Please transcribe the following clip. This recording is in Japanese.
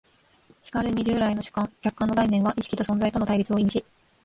しかるに従来の主観・客観の概念は意識と存在との対立を意味し、